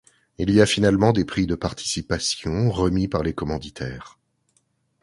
Il y a finalement des prix de participation remis par les commanditaires.